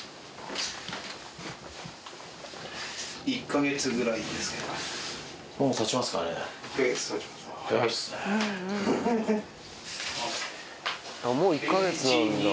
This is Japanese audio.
１か月ぐらいですけど。